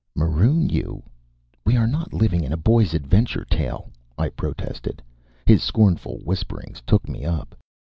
"Maroon you! We are not living in a boy's adventure tale," I protested. His scornful whispering took me up.